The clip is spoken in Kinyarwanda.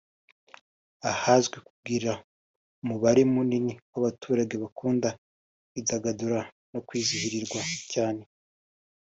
ahazwi kugira umubare munini w’abaturage bakunda kwidagadura no kwizihirwa cyane